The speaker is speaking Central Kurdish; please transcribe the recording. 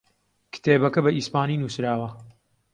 کتێبەکە بە ئیسپانی نووسراوە.